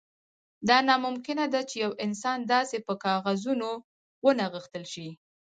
دا ناممکن ده چې یو انسان داسې په کاغذونو ونغښتل شي